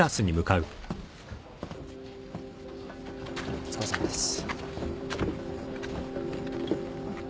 お疲れさまです。